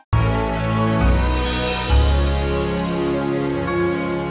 aku akan menemukanmu